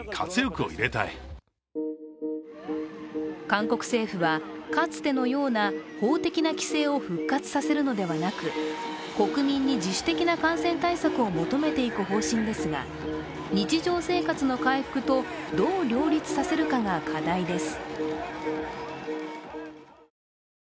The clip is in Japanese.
韓国政府はかつてのような法的な規制を復活させるのではなく、国民に自主的な感染対策を求めていく方針ですが、日常生活の回復とどう両立させるかが課題です。